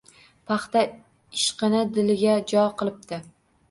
Paxta ishqini diliga jo qilibdi.